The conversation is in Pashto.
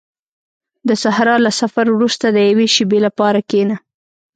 • د صحرا له سفر وروسته د یوې شېبې لپاره کښېنه.